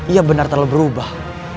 ia benar telah berubah